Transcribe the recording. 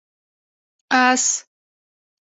🐎 آس